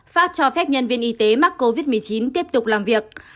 pháp cho phép nhân viên y tế mắc covid một mươi chín tiếp tục làm việc